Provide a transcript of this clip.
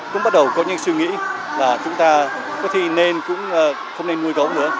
cũng bắt đầu có những suy nghĩ là chúng ta có thể nên cũng không nên nuôi gấu nữa